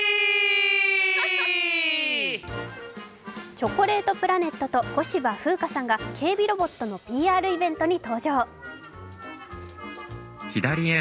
チョコレートプラネットと小芝風花さんが警備ロボットのＰＲイベントに登場。